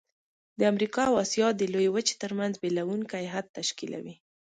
د امریکا او آسیا د لویې وچې ترمنځ بیلوونکی حد تشکیلوي.